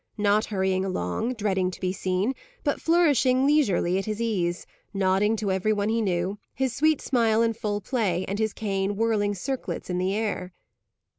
Not hurrying along, dreading to be seen, but flourishing leisurely at his ease, nodding to every one he knew, his sweet smile in full play, and his cane whirling circlets in the air.